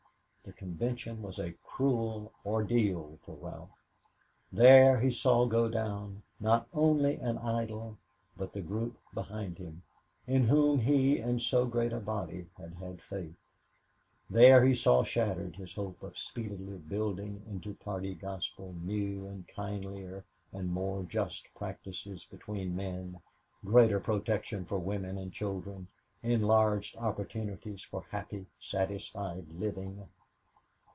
The convention was a cruel ordeal for Ralph. There he saw go down not only an idol, but the group behind him, in whom he and so great a body had had faith. There he saw shattered his hope of speedily building into party gospel new and kindlier and more just practices between men, greater protection for women and children, enlarged opportunities for happy, satisfied living.